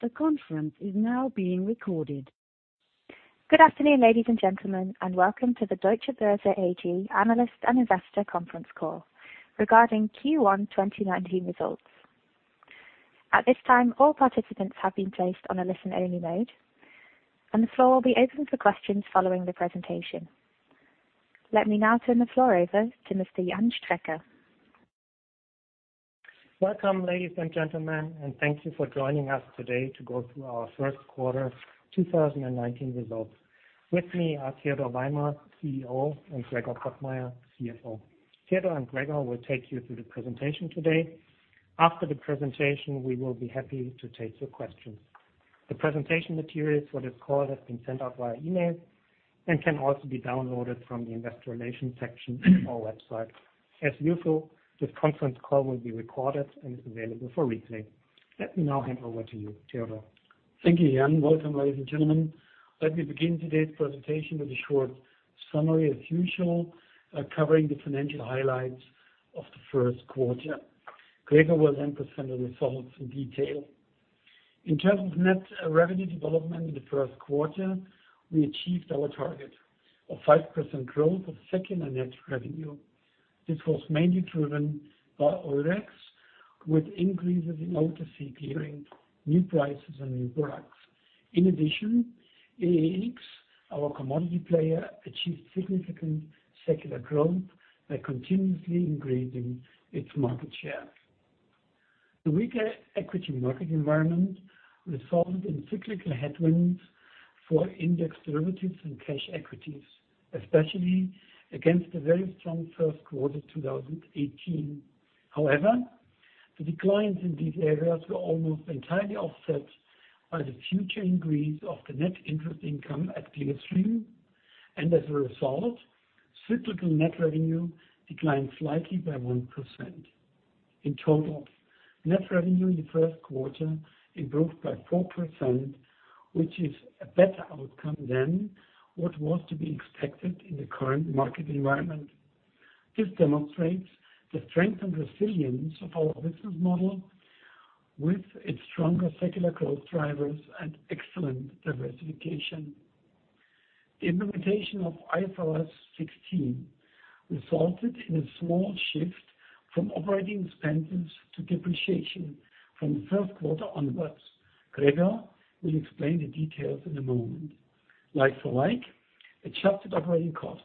The conference is now being recorded. Good afternoon, ladies and gentlemen. Welcome to the Deutsche Börse AG analyst and investor conference call regarding Q1 2019 results. At this time, all participants have been placed on a listen-only mode. The floor will be open for questions following the presentation. Let me now turn the floor over to Mr. Jan Strecker. Welcome, ladies and gentlemen. Thank you for joining us today to go through our first quarter 2019 results. With me are Theodor Weimer, CEO, and Gregor Pottmeyer, CFO. Theodor and Gregor will take you through the presentation today. After the presentation, we will be happy to take your questions. The presentation materials for this call have been sent out via email and can also be downloaded from the investor relations section of our website. As usual, this conference call will be recorded and is available for replay. Let me now hand over to you, Theodor. Thank you, Jan. Welcome, ladies and gentlemen. Let me begin today's presentation with a short summary, as usual, covering the financial highlights of the first quarter. Gregor will present the results in detail. In terms of net revenue development in the first quarter, we achieved our target of 5% growth of secular net revenue. This was mainly driven by Eurex, with increases in OTC clearing, new prices, and new products. In addition, EEX, our commodity player, achieved significant secular growth by continuously increasing its market share. The weaker equity market environment resulted in cyclical headwinds for index derivatives and cash equities, especially against the very strong first quarter 2018. The declines in these areas were almost entirely offset by the future increase of the net interest income at Clearstream. As a result, cyclical net revenue declined slightly by 1%. In total, net revenue in the first quarter improved by 4%, which is a better outcome than what was to be expected in the current market environment. This demonstrates the strength and resilience of our business model with its stronger secular growth drivers and excellent diversification. The implementation of IFRS 16 resulted in a small shift from operating expenses to depreciation from the first quarter onwards. Gregor will explain the details in a moment. Like for like, adjusted operating costs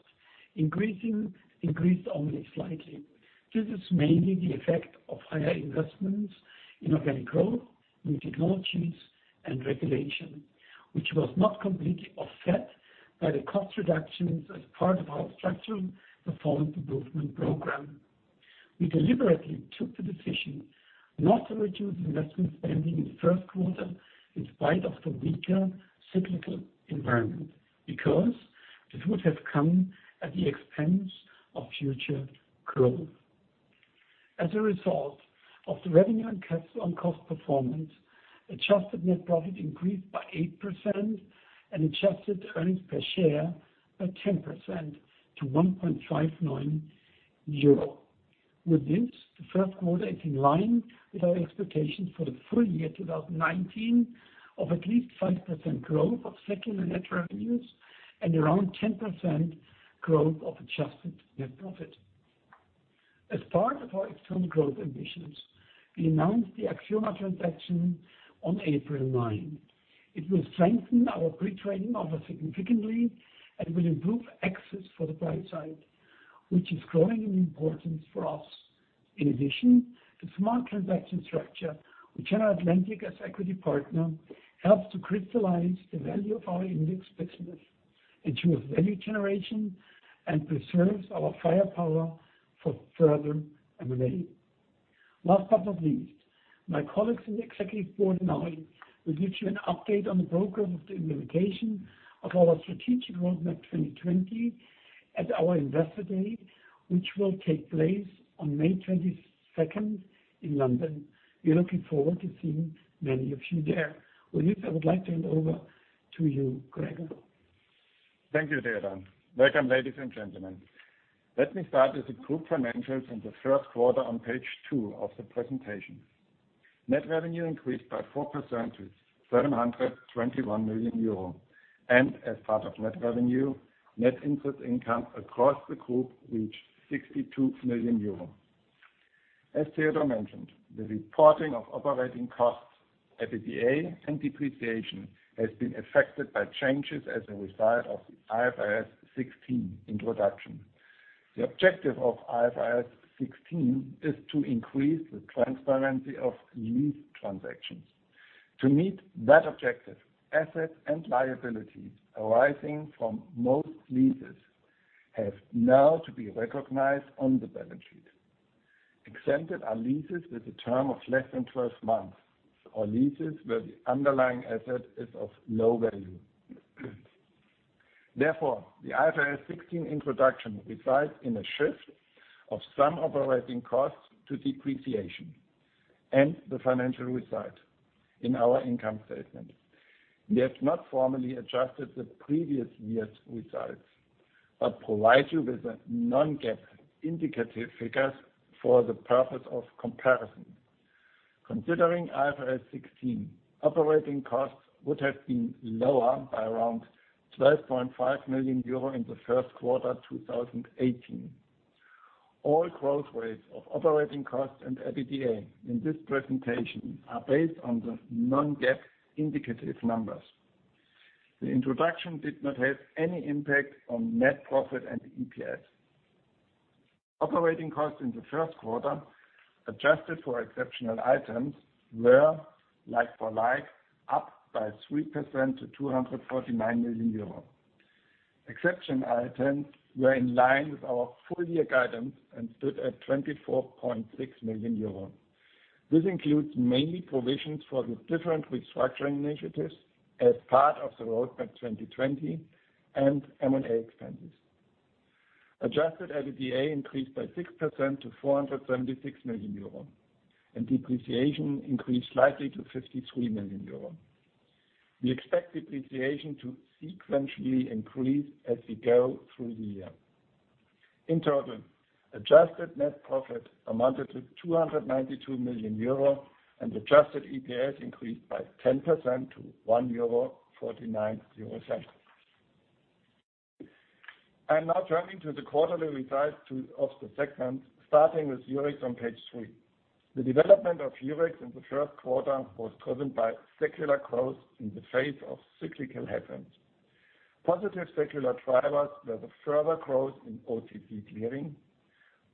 increased only slightly. This is mainly the effect of higher investments in organic growth, new technologies, and regulation, which was not completely offset by the cost reductions as part of our structural performance improvement program. We deliberately took the decision not to reduce investment spending in the first quarter in spite of the weaker cyclical environment, because it would have come at the expense of future growth. As a result of the revenue and cost performance, adjusted net profit increased by 8% and adjusted earnings per share by 10% to 1.59 euro. With this, the first quarter is in line with our expectations for the full year 2019 of at least 5% growth of secular net revenues and around 10% growth of adjusted net profit. As part of our external growth ambitions, we announced the Axioma transaction on April 9. It will strengthen our pre-trading offer significantly and will improve access for the buy side, which is growing in importance for us. In addition, the SMART transaction structure with General Atlantic as equity partner helps to crystallize the value of our index business in terms of value generation and preserves our firepower for further M&A. Last but not least, my colleagues in the executive board and I will give you an update on the progress of the implementation of our strategic Roadmap 2020 at our Investor Day, which will take place on May 22 in London. We're looking forward to seeing many of you there. With this, I would like to hand over to you, Gregor. Thank you, Theodor. Welcome, ladies and gentlemen. Let me start with the group financials in the first quarter on page two of the presentation. Net revenue increased by 4% to 721 million euro, and as part of net revenue, net interest income across the group reached 62 million euros. As Theodor mentioned, the reporting of operating costs, EBITDA, and depreciation has been affected by changes as a result of the IFRS 16 introduction. The objective of IFRS 16 is to increase the transparency of lease transactions. To meet that objective, assets and liabilities arising from most leases have now to be recognized on the balance sheet. Exempted are leases with a term of less than 12 months or leases where the underlying asset is of low value. Therefore, the IFRS 16 introduction results in a shift of some operating costs to depreciation and the financial result in our income statement. We have not formally adjusted the previous year's results, but provide you with the non-GAAP indicative figures for the purpose of comparison. Considering IFRS 16, operating costs would have been lower by around 12.5 million euro in the first quarter 2018. All growth rates of operating costs and EBITDA in this presentation are based on the non-GAAP indicative numbers. The introduction did not have any impact on net profit and EPS. Operating costs in the first quarter, adjusted for exceptional items, were like-for-like up by 3% to 249 million euros. Exceptional items were in line with our full-year guidance and stood at 24.6 million euros. This includes mainly provisions for the different restructuring initiatives as part of the Roadmap 2020 and M&A expenses. Adjusted EBITDA increased by 6% to 476 million euro, and depreciation increased slightly to 53 million euro. We expect depreciation to sequentially increase as we go through the year. In total, adjusted net profit amounted to 292 million euro and adjusted EPS increased by 10% to EUR 1.49. I am now turning to the quarterly results of the segments, starting with Eurex on page three. The development of Eurex in the first quarter was driven by secular growth in the face of cyclical headwinds. Positive secular drivers were the further growth in OTC clearing,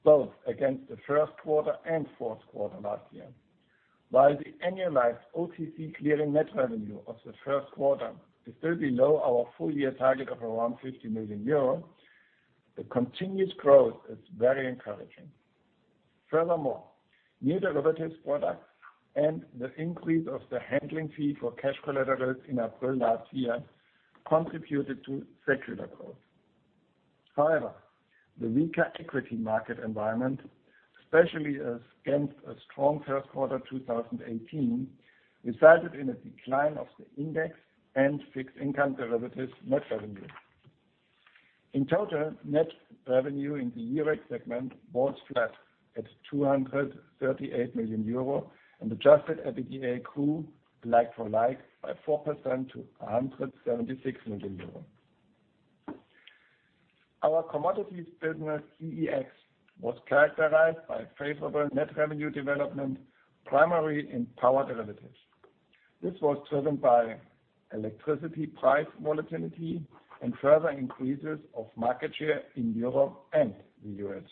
both against the first quarter and fourth quarter last year. While the annualized OTC clearing net revenue of the first quarter is still below our full-year target of around 50 million euros, the continuous growth is very encouraging. Furthermore, new derivatives products and the increase of the handling fee for cash collaterals in April last year contributed to secular growth. However, the weaker equity market environment, especially against a strong first quarter 2018, resulted in a decline of the index and fixed income derivatives net revenue. In total, net revenue in the Eurex segment was flat at 238 million euro and adjusted EBITDA grew like-for-like by 4% to 176 million euro. Our commodities business, EEX, was characterized by favorable net revenue development, primarily in power derivatives. This was driven by electricity price volatility and further increases of market share in Europe and the U.S.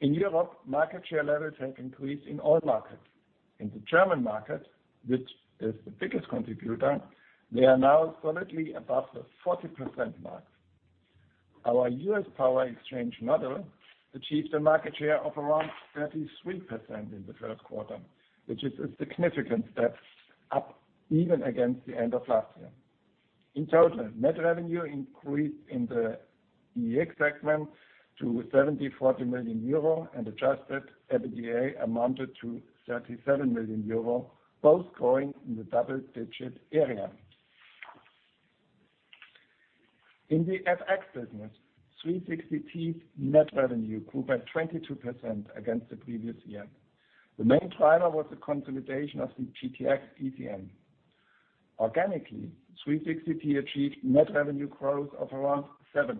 In Europe, market share levels have increased in all markets. In the German market, which is the biggest contributor, they are now solidly above the 40% mark. Our U.S. power exchange model achieved a market share of around 33% in the first quarter, which is a significant step up even against the end of last year. In total, net revenue increased in the EEX segment to 74 million euro and adjusted EBITDA amounted to 37 million euro, both growing in the double-digit area. In the FX business, 360T's net revenue grew by 22% against the previous year. The main driver was the consolidation of the GTX ECN. Organically, 360T achieved net revenue growth of around 7%.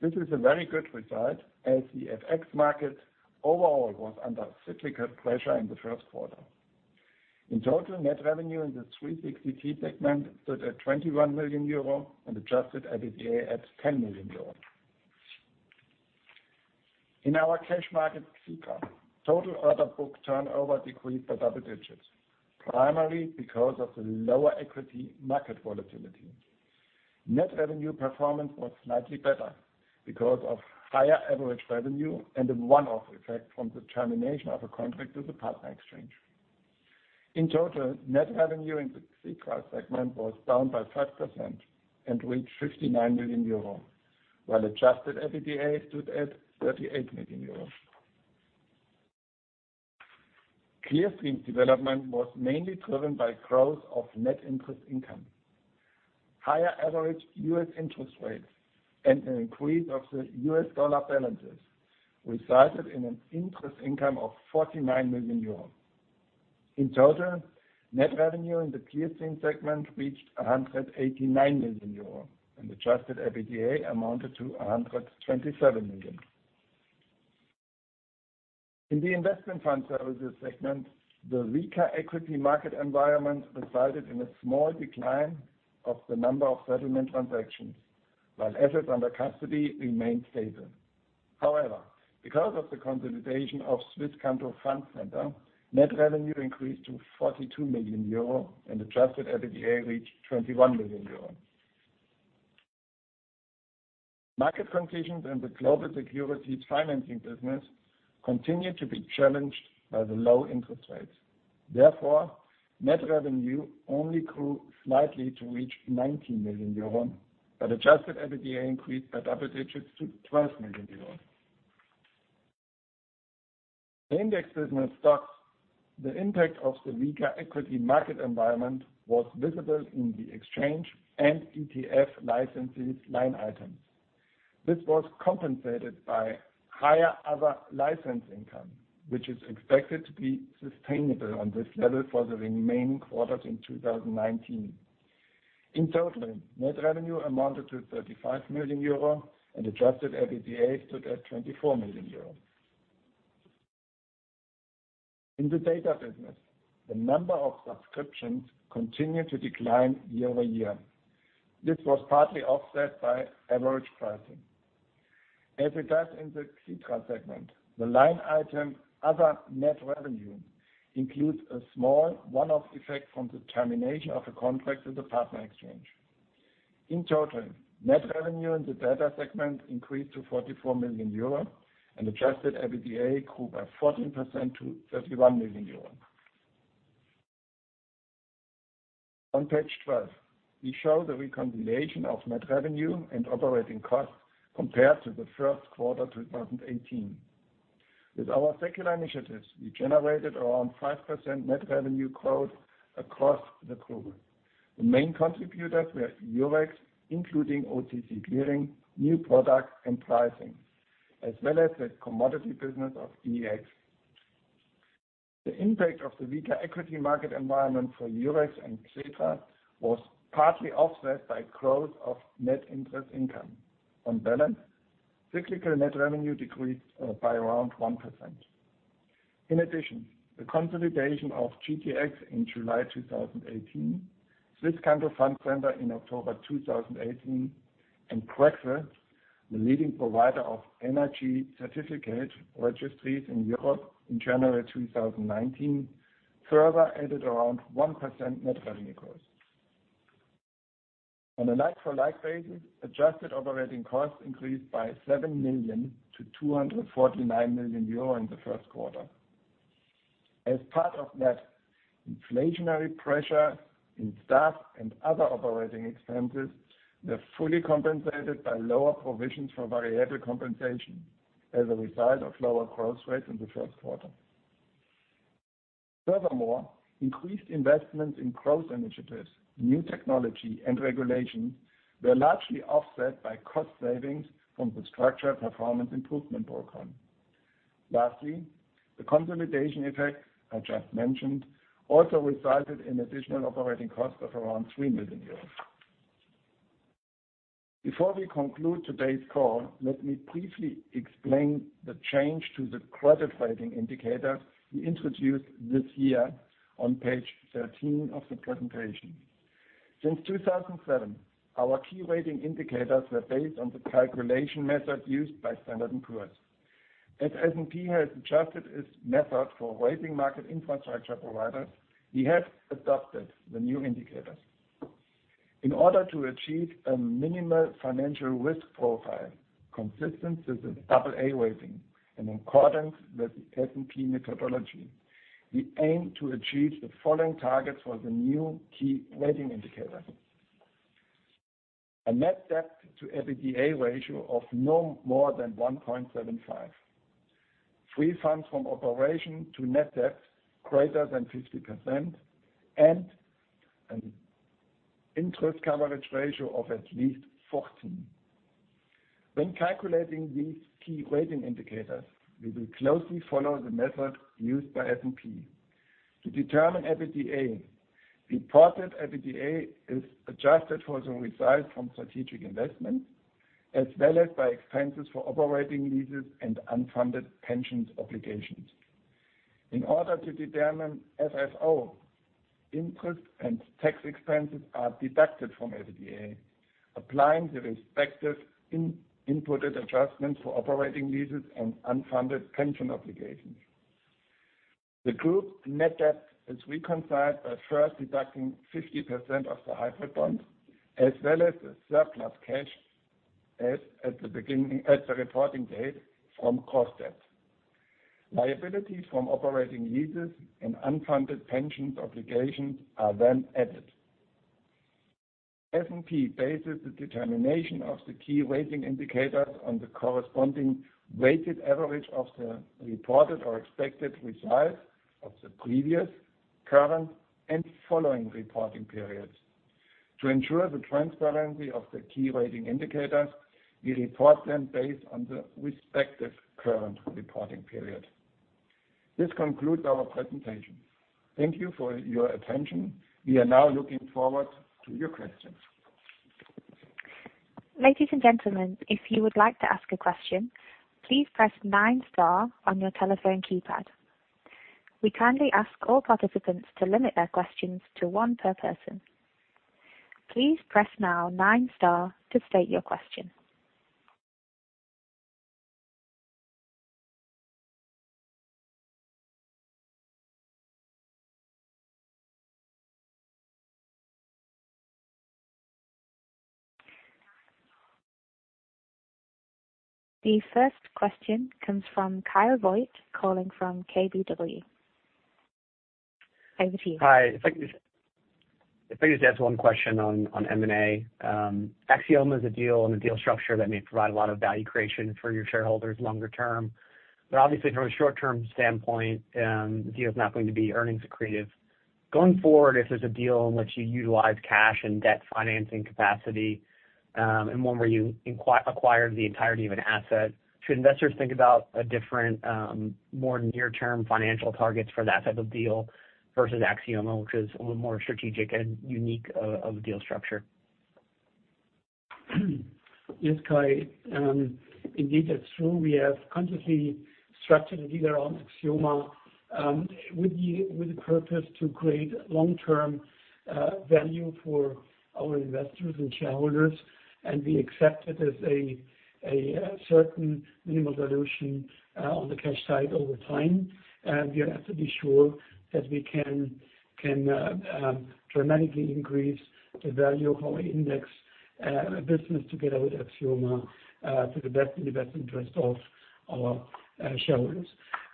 This is a very good result, as the FX market overall was under cyclical pressure in the first quarter. In total, net revenue in the 360T segment stood at 21 million euro and adjusted EBITDA at 10 million euro. In our cash market, Clearstream, total order book turnover decreased by double digits, primarily because of the lower equity market volatility. Net revenue performance was slightly better because of higher average revenue and a one-off effect from the termination of a contract with a partner exchange. In total, net revenue in the Clearstream segment was down by 5% and reached 59 million euro, while adjusted EBITDA stood at 38 million euro. Clearstream's development was mainly driven by growth of net interest income. Higher average U.S. interest rates and an increase of the U.S. dollar balances resulted in an interest income of 49 million euros. In total, net revenue in the Clearstream segment reached 189 million euros and adjusted EBITDA amounted to 127 million. In the investment fund services segment, the weaker equity market environment resulted in a small decline of the number of settlement transactions, while assets under custody remained stable. Because of the consolidation of Swisscanto Fund Centre, net revenue increased to 42 million euro and adjusted EBITDA reached 21 million euro. Market conditions and the global securities financing business continue to be challenged by the low interest rates. Net revenue only grew slightly to reach 19 million euro, adjusted EBITDA increased by double digits to 12 million euro. The index business STOXX, the impact of the weaker equity market environment was visible in the exchange and ETF licenses line items. This was compensated by higher other license income, which is expected to be sustainable on this level for the remaining quarters in 2019. In total, net revenue amounted to 35 million euro and adjusted EBITDA stood at 24 million euro. In the data business, the number of subscriptions continued to decline year-over-year. This was partly offset by average pricing. As it does in the Xetra segment, the line item, other net revenue, includes a small one-off effect from the termination of a contract with a partner exchange. In total, net revenue in the data segment increased to 44 million euro and adjusted EBITDA grew by 14% to 31 million euro. On page 12, we show the reconciliation of net revenue and operating costs compared to the first quarter 2018. With our secular initiatives, we generated around 5% net revenue growth across the group. The main contributors were Eurex, including OTC clearing, new products and pricing, as well as the commodity business of EEX. The impact of the weaker equity market environment for Eurex and Xetra was partly offset by growth of net interest income. On balance, cyclical net revenue decreased by around 1%. The consolidation of GTX in July 2018, Swisscanto Fund Centre in October 2018, and Grexel, the leading provider of energy certificate registries in Europe in January 2019, further added around 1% net revenue growth. On a like-for-like basis, adjusted operating costs increased by 7 million to 249 million euro in the first quarter. As part of net inflationary pressure in staff and other operating expenses, we are fully compensated by lower provisions for variable compensation as a result of lower growth rates in the first quarter. Increased investments in growth initiatives, new technology and regulations were largely offset by cost savings from the structured performance improvement program. The consolidation effect I just mentioned also resulted in additional operating costs of around 3 million euros. Before we conclude today's call, let me briefly explain the change to the credit rating indicator we introduced this year on page 13 of the presentation. Since 2007, our key rating indicators were based on the calculation method used by Standard & Poor's. As S&P has adjusted its method for rating market infrastructure providers, we have adopted the new indicators. In order to achieve a minimal financial risk profile consistent with an double A rating in accordance with the S&P methodology, we aim to achieve the following targets for the new key rating indicator. A net debt to EBITDA ratio of no more than 1.75. Free funds from operation to net debt greater than 50%, and an interest coverage ratio of at least 14. When calculating these key rating indicators, we will closely follow the method used by S&P. To determine EBITDA, reported EBITDA is adjusted for the results from strategic investments, as well as by expenses for operating leases and unfunded pensions obligations. In order to determine FFO, interest and tax expenses are deducted from EBITDA, applying the respective inputted adjustments for operating leases and unfunded pension obligations. The group net debt is reconciled by first deducting 50% of the hybrid bonds, as well as the surplus cash as at the reporting date from cost debt. Liabilities from operating leases and unfunded pensions obligations are then added. S&P bases the determination of the key rating indicators on the corresponding weighted average of the reported or expected results of the previous, current, and following reporting periods. To ensure the transparency of the key rating indicators, we report them based on the respective current reporting period. This concludes our presentation. Thank you for your attention. We are now looking forward to your questions. Ladies and gentlemen, if you would like to ask a question, please press nine star on your telephone keypad. We kindly ask all participants to limit their questions to one per person. Please press now nine star to state your question. The first question comes from Kyle Voigt, calling from KBW. Over to you. Hi. If I could just ask one question on M&A. Axioma is a deal and a deal structure that may provide a lot of value creation for your shareholders longer term, but obviously from a short-term standpoint, the deal is not going to be earnings accretive. Going forward, if there's a deal in which you utilize cash and debt financing capacity, and one where you acquire the entirety of an asset, should investors think about a different, more near-term financial targets for that type of deal versus Axioma, which is a little more strategic and unique of a deal structure? Yes, Kyle. Indeed, that's true. We have consciously structured the deal around Axioma with the purpose to create long-term value for our investors and shareholders. We accept it as a certain minimal dilution on the cash side over time. We have to be sure that we can dramatically increase the value of our index business together with Axioma, in the best interest of our shareholders.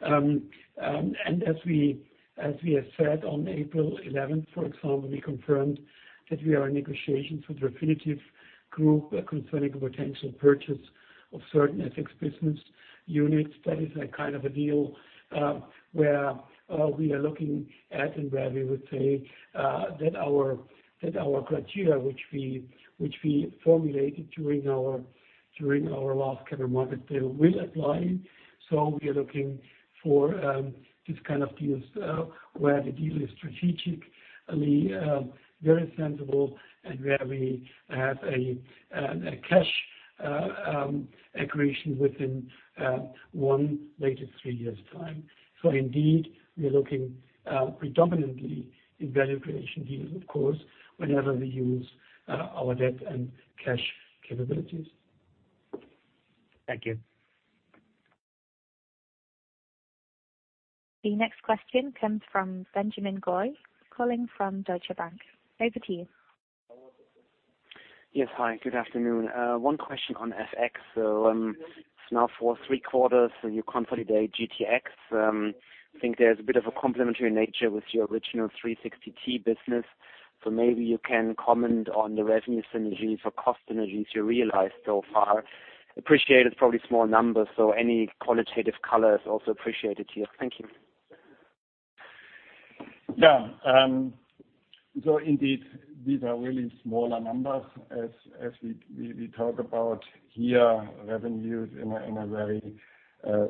As we have said on April 11th, for example, we confirmed that we are in negotiations with Refinitiv Group concerning a potential purchase of certain FX business units. That is a kind of a deal where we are looking at and where we would say that our criteria, which we formulated during our last Capital Markets Day will apply. We are looking for this kind of deals where the deal is strategically very sensible and where we have a cash accretion within one, latest three years' time. Indeed, we are looking predominantly in value creation deals, of course, whenever we use our debt and cash capabilities. Thank you. The next question comes from Benjamin Goy, calling from Deutsche Bank. Over to you. Yes. Hi, good afternoon. One question on FX. Now for three quarters you consolidate GTX. I think there's a bit of a complementary nature with your original 360T business. Maybe you can comment on the revenue synergies or cost synergies you realized so far. Appreciate it's probably small numbers, so any qualitative color is also appreciated here. Thank you. Indeed, these are really smaller numbers as we talk about here, revenues in a very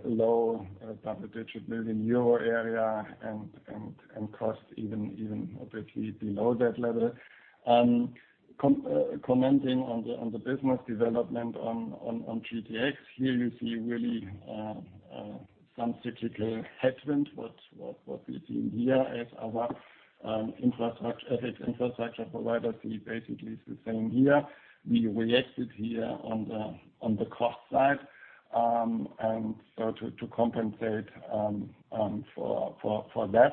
low double-digit million EUR area and costs even obviously below that level. Commenting on the business development on GTX, here you see really some cyclical headwind. What we've seen here as our FX infrastructure providers see basically it's the same here. We reacted here on the cost side. To compensate for that,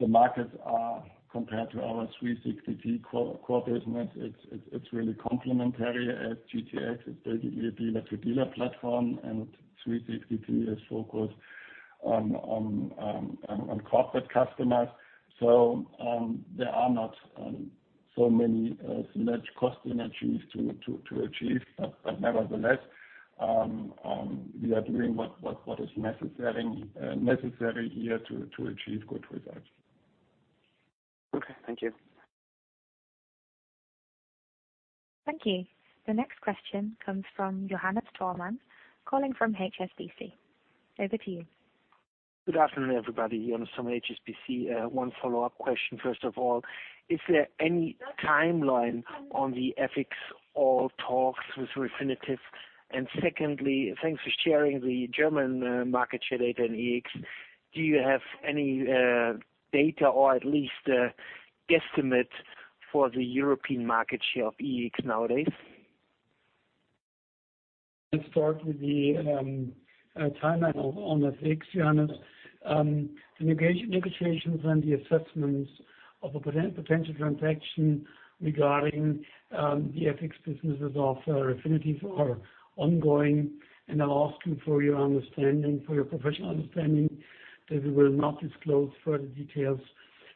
the markets are compared to our 360T core business, it's really complementary as GTX is basically a dealer-to-dealer platform, and 360T is focused on corporate customers. There are not so many large cost synergies to achieve, nevertheless, we are doing what is necessary here to achieve good results. Okay. Thank you. Thank you. The next question comes from Johannes Thormann, calling from HSBC. Over to you. Good afternoon, everybody. Johannes from HSBC. One follow-up question, first of all. Is there any timeline on the FX or talks with Refinitiv? Secondly, thanks for sharing the German market share data in EEX. Do you have any data or at least a guesstimate for the European market share of EEX nowadays? I start with the timeline on FX, Johannes. The negotiations and the assessments of a potential transaction regarding the FX businesses of Refinitiv are ongoing. I'll ask you for your professional understanding that we will not disclose further details,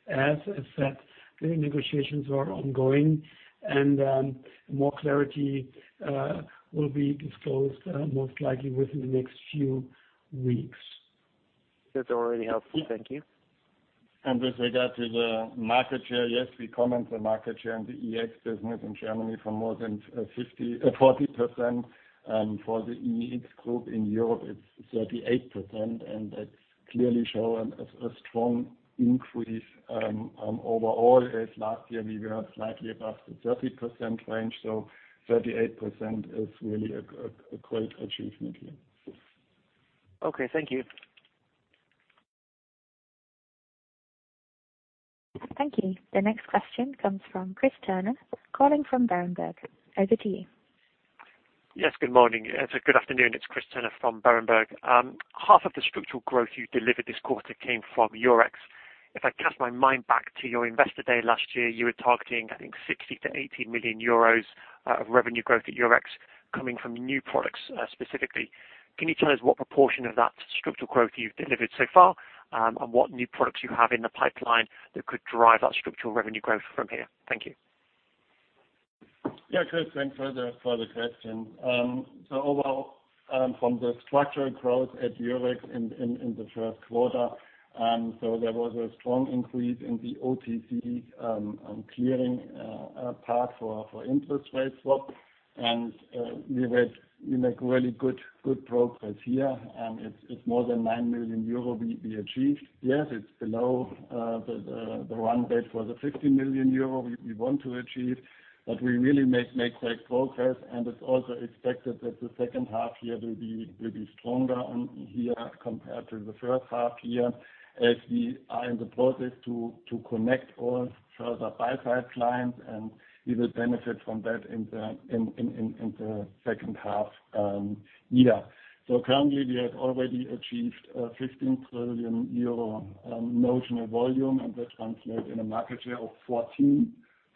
as I said, the negotiations are ongoing. More clarity will be disclosed, most likely within the next few weeks. That's already helpful. Thank you. With regard to the market share, yes, we comment the market share in the EEX business in Germany for more than 40%. For the EEX Group in Europe, it's 38%, and that clearly show a strong increase overall, as last year we were slightly above the 30% range. 38% is really a great achievement here. Okay. Thank you. Thank you. The next question comes from Chris Turner, calling from Berenberg. Over to you. Yes, good morning. It's a good afternoon. It's Chris Turner from Berenberg. Half of the structural growth you delivered this quarter came from Eurex. If I cast my mind back to your Investor Day last year, you were targeting, I think, 60 million-80 million euros of revenue growth at Eurex coming from new products, specifically. Can you tell us what proportion of that structural growth you've delivered so far? What new products you have in the pipeline that could drive that structural revenue growth from here? Thank you. Chris, thanks for the question. Overall, from the structural growth at Eurex in the first quarter, there was a strong increase in the OTC clearing path for interest rate swap. We make really good progress here, and it is more than 9 million euro we achieved. Yes, it is below the run rate for the 50 million euro we want to achieve. We really make great progress, and it is also expected that the second half year will be stronger here compared to the first half year as we are in the process to connect all further buy-side clients, and we will benefit from that in the second half year. Currently, we have already achieved a 15 trillion euro notional volume, and that translates in a market share of 14%.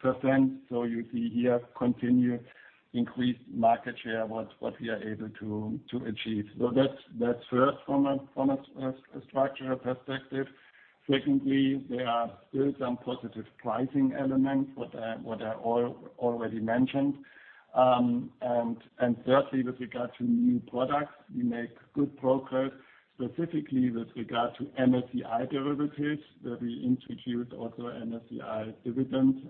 You see here continued increased market share, what we are able to achieve. That is first from a structural perspective. Secondly, there are still some positive pricing elements, what I already mentioned. Thirdly, with regard to new products, we make good progress, specifically with regard to MSCI derivatives, that we introduced also MSCI dividend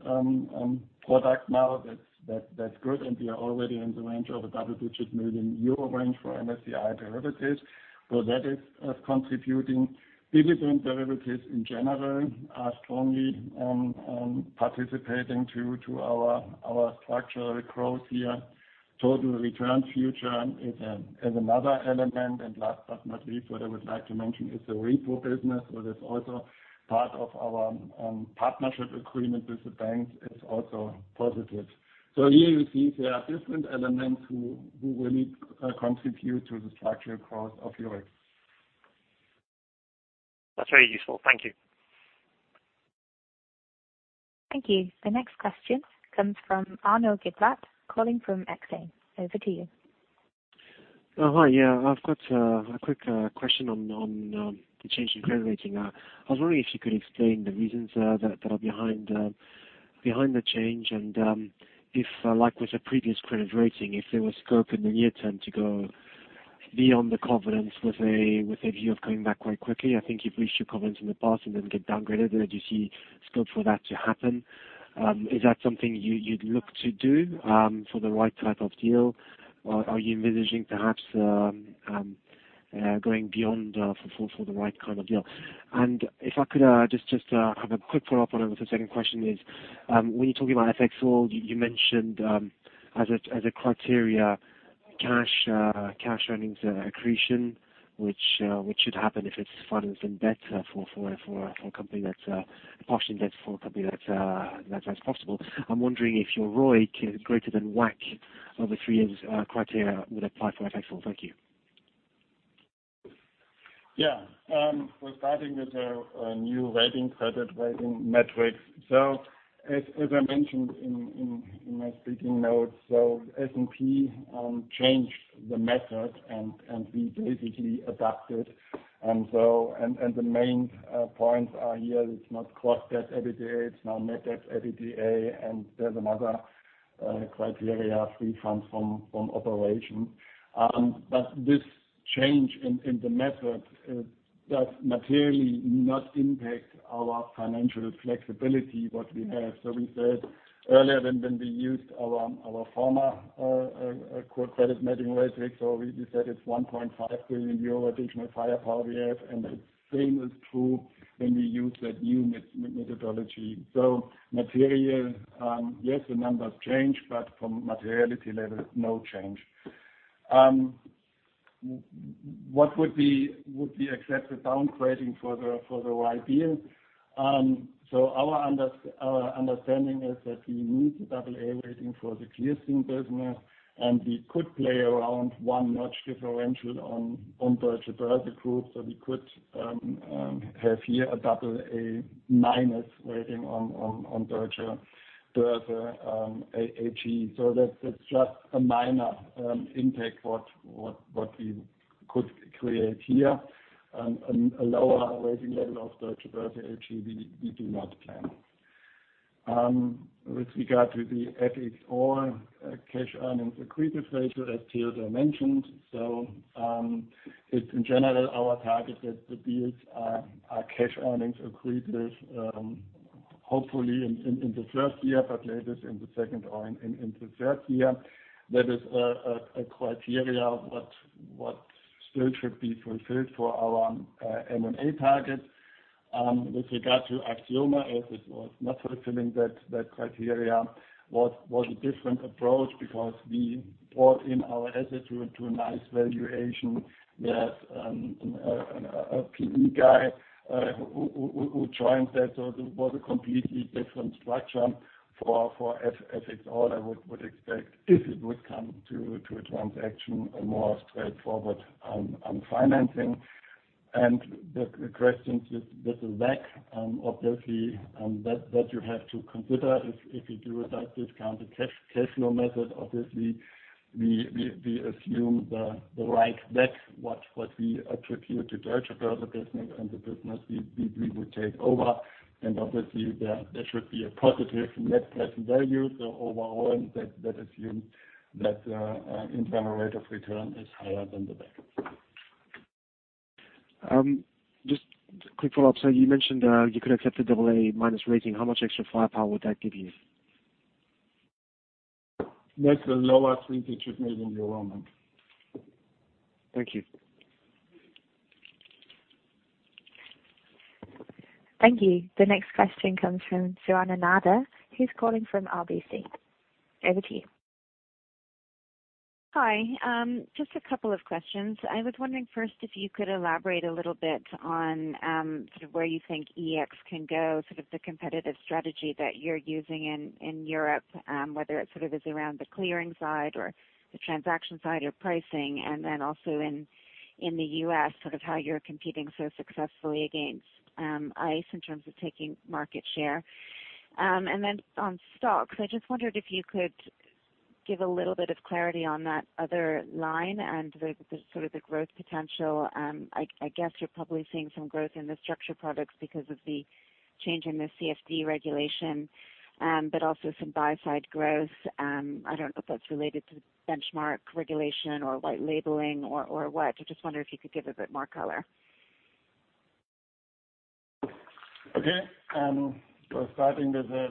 product now. That is good, and we are already in the range of a double-digit million EUR range for MSCI derivatives. That is contributing. Dividend derivatives in general are strongly participating to our structural growth here. Total return future is another element. Last but not least, what I would like to mention is the repo business, what is also part of our partnership agreement with the banks is also positive. Here you see there are different elements who really contribute to the structural growth of Eurex. That is very useful. Thank you. Thank you. The next question comes from Arnaud Giblat, calling from Exane. Over to you. Hi. I've got a quick question on the change in credit rating. I was wondering if you could explain the reasons that are behind the change and if, like with the previous credit rating, if there was scope in the near term to go beyond the covenants with a view of coming back quite quickly. I think you've issued comments in the past and then get downgraded. Do you see scope for that to happen? Is that something you'd look to do for the right type of deal? Or are you envisaging perhaps going beyond for the right kind of deal? If I could just have a quick follow-up on it with the second question is, when you're talking about FXall, you mentioned as a criteria cash earnings accretion, which should happen if it's financed in debt for a company that's a portion debt for a company that's possible. I'm wondering if your ROIC is greater than WACC over three years criteria would apply for FXall. Thank you. We're starting with a new rating, credit rating metric. As I mentioned in my speaking notes, S&P changed the method, and we basically adapted. The main points are here, it's not core debt EBITDA, it's now net debt EBITDA, and there's another criteria, free funds from operation. This change in the method does materially not impact our financial flexibility, what we have. We said earlier than when we used our former core credit rating metric. We said it's 1.5 billion euro additional firepower we have, and the same is true when we use that new methodology. Material, yes, the numbers change, but from materiality level, no change. What would be accepted downgrading for the right deal? Our understanding is that we need the AA rating for the clearing business, and we could play around one notch differential on Deutsche Börse Group. We could have here a AA- rating on Deutsche Börse AG. That's just a minor impact what we could create here. A lower rating level of Deutsche Börse AG, we do not plan. With regard to the FXall cash earnings accretive ratio, as Theodor mentioned. It's in general our target that the deals are cash earnings accretive, hopefully in the first year but latest in the second or in the third year. That is a criteria what still should be fulfilled for our M&A targets. With regard to Axioma, as it was not fulfilling that criteria, was a different approach because we brought in our assets with a nice valuation. We have a PE guy who joined that. It was a completely different structure for FXall I would expect, if it would come to a transaction, a more straightforward on financing. The question with the WACC, obviously, that you have to consider if you do a discounted cash flow method. Obviously, we assume the right WACC, what we attribute to Deutsche Börse business and the business we would take over. Obviously, there should be a positive net present value. Overall, that assumes that internal rate of return is higher than the WACC. Just a quick follow-up. You mentioned you could accept the double A minus rating. How much extra firepower would that give you? That's a lower three-digit million EUR amount. Thank you. Thank you. The next question comes from Joanna Nader, who's calling from RBC. Over to you. Hi. Just a couple of questions. I was wondering first if you could elaborate a little bit on sort of where you think EEX can go, sort of the competitive strategy that you're using in Europe, whether it sort of is around the clearing side or the transaction side or pricing, and then also in the U.S., sort of how you're competing so successfully against ICE in terms of taking market share. On STOXX, I just wondered if you could give a little bit of clarity on that other line and the sort of the growth potential. I guess you're probably seeing some growth in the structure products because of the change in the CFD regulation, but also some buy side growth. I don't know if that's related to benchmark regulation or white labeling or what. I just wonder if you could give a bit more color. Okay. Starting with the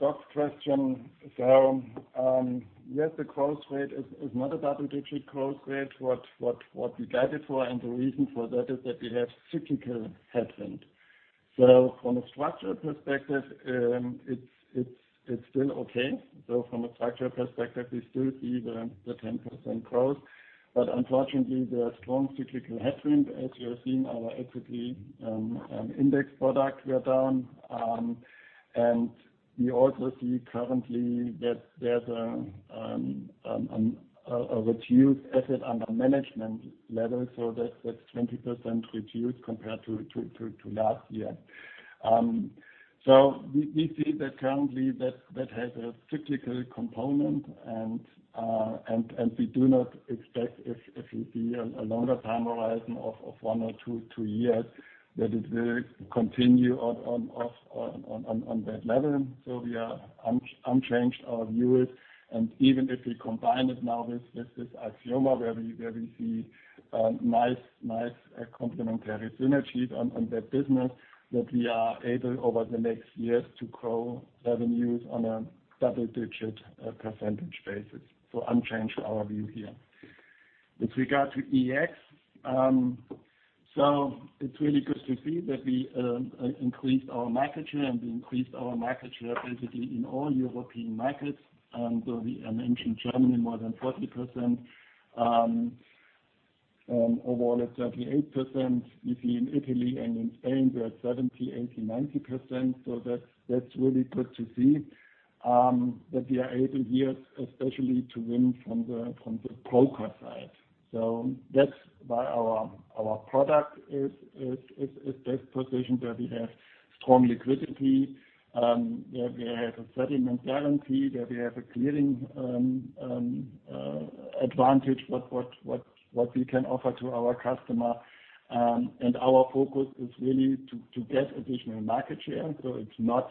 STOXX question. Yes, the growth rate is not a double-digit growth rate. What we guided for, and the reason for that is that we have cyclical headwind. From a structure perspective, it's still okay. From a structure perspective, we still see the 10% growth, but unfortunately, there are strong cyclical headwind. As you have seen, our equity index products were down. We also see currently that there's a reduced asset under management level, that's 20% reduced compared to last year. We see that currently that that has a cyclical component, and we do not expect if you see a longer time horizon of one or two years, that it will continue on that level. We are unchanged our views, and even if we combine it now with this Axioma, where we see nice complementary synergies on that business, that we are able, over the next years, to grow revenues on a double-digit percentage basis. Unchanged our view here. With regard to EEX, it's really good to see that we increased our market share, and we increased our market share basically in all European markets. I mentioned Germany more than 40%, overall at 38%. You see in Italy and in Spain, we are at 70%, 80%, 90%. That's really good to see, that we are able here especially to win from the broker side. That's why our product is best positioned where we have strong liquidity, where we have a settlement guarantee, where we have a clearing advantage, what we can offer to our customer. Our focus is really to get additional market share. It's not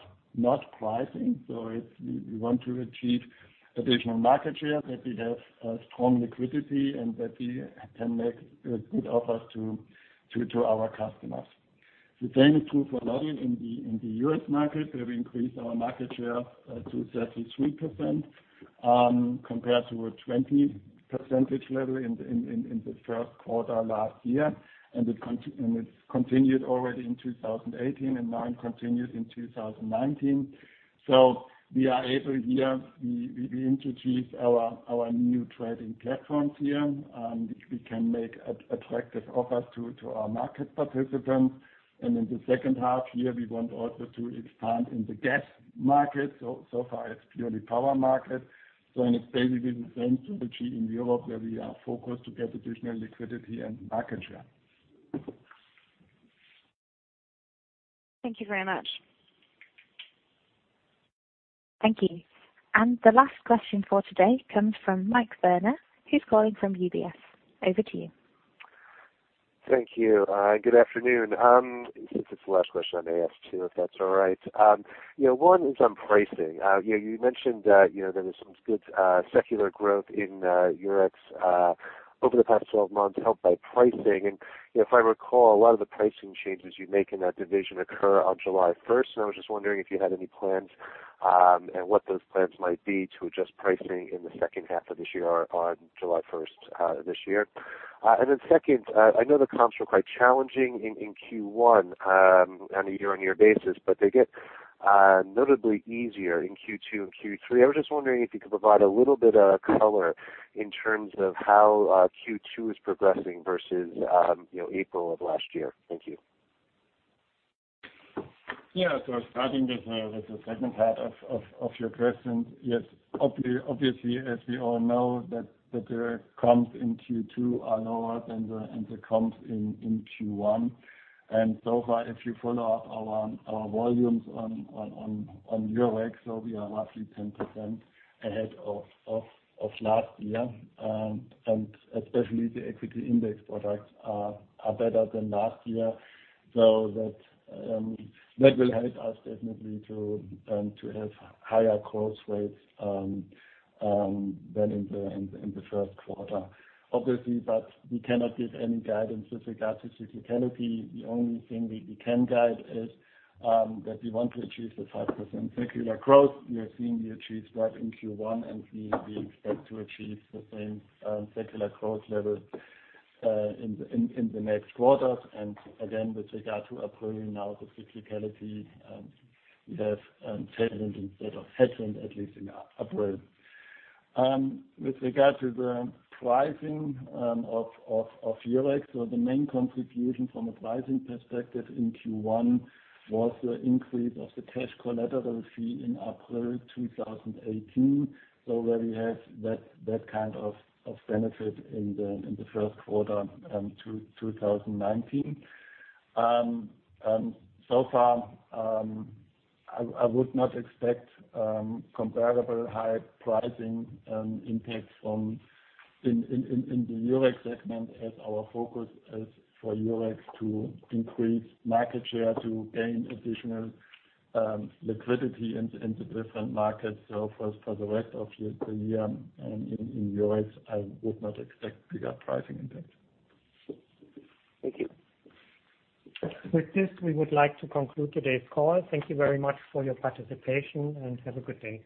pricing. We want to achieve additional market share, that we have strong liquidity, and that we can make good offers to our customers. The same is true for London. In the U.S. market, we have increased our market share to 33%, compared to a 20% level in the first quarter last year. It continued already in 2018 and now it continues in 2019. We are able here, we introduce our new trading platforms here, which we can make attractive offers to our market participants. In the second half year, we want also to expand in the gas market. So far, it's purely power market. It's basically the same strategy in Europe where we are focused to get additional liquidity and market share. Thank you very much. Thank you. The last question for today comes from Michael Werner, who's calling from UBS. Over to you. Thank you. Good afternoon. Since it's the last question, I may ask two, if that's all right. One is on pricing. You mentioned that there is some good secular growth in Eurex over the past 12 months helped by pricing. If I recall, a lot of the pricing changes you make in that division occur on July 1st, and I was just wondering if you had any plans, and what those plans might be to adjust pricing in the second half of this year on July 1st this year. Second, I know the comps were quite challenging in Q1 on a year-on-year basis, but they get notably easier in Q2 and Q3. I was just wondering if you could provide a little bit of color in terms of how Q2 is progressing versus April of last year. Yeah. Starting with the second part of your question. Yes, obviously, as we all know that the comps in Q2 are lower than the comps in Q1. So far, if you follow our volumes on Eurex, we are roughly 10% ahead of last year. Especially the equity index products are better than last year. That will help us definitely to have higher growth rates than in the first quarter. Obviously, we cannot give any guidance with regard to cyclicality. The only thing that we can guide is that we want to achieve the 5% secular growth. We are seeing we achieved that in Q1, and we expect to achieve the same secular growth level in the next quarters. Again, with regard to April, now the cyclicality we have tailwind instead of headwind, at least in April. With regard to the pricing of Eurex, the main contribution from a pricing perspective in Q1 was the increase of the cash collateral fee in April 2018. Where we have that kind of benefit in the first quarter to 2019. So far, I would not expect comparable high pricing impacts in the Eurex segment as our focus is for Eurex to increase market share to gain additional liquidity into different markets. For the rest of the year in Eurex, I would not expect bigger pricing impact. Thank you. With this, we would like to conclude today's call. Thank you very much for your participation, and have a good day.